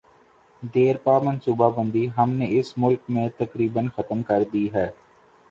دیرپا منصوبہ بندی ہم نے اس ملک میں تقریبا ختم کر دی ہے۔